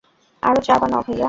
আরো চা বানাও ভাইয়া!